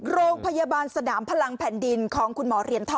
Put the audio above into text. โรงพยาบาลสนามพลังแผ่นดินของคุณหมอเหรียญท่อ